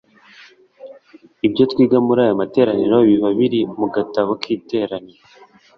Ibyo twiga muri ayo materaniro biba biri mu gatabo k iteraniro